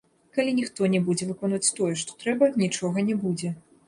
Калі ніхто не будзе выконваць тое, што трэба, нічога не будзе.